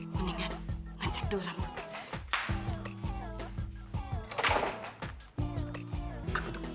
mendingan ngecek dua rambut